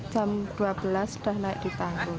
jam dua belas sudah naik di tanggul